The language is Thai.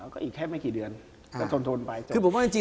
อ๋อก็อีกแค่ไม่กี่เดือน